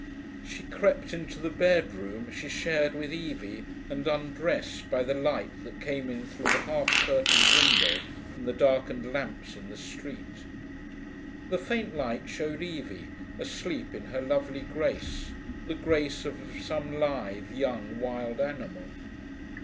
She crept into the bedroom she shared with Evie, and undressed by the light that came in through the half curtained window from the darkened lamps in the street. The faint light showed Evie, asleep in her lovely grace, the grace as of some lithe young wild animal.